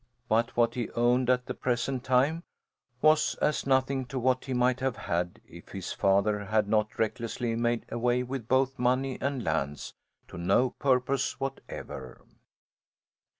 But what he owned at the present time was as nothing to what he might have had if his father had not recklessly made away with both money and lands, to no purpose whatever.